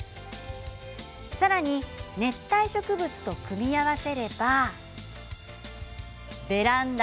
さらに熱帯植物と組み合わせればベランダが南国に。